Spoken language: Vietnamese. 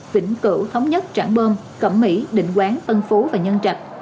tỉnh cửu thống nhất trảng bơm cẩm mỹ định quán ân phú và nhân trạch